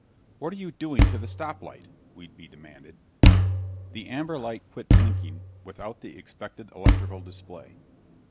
"What are you doing to the stop light?" Whedbee demanded. The amber light quit blinking without the expected electrical display.